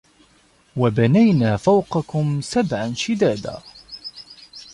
وَبَنَينا فَوقَكُم سَبعًا شِدادًا